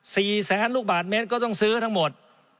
สี่แสนลูกบาทเมตรก็ต้องซื้อทั้งหมด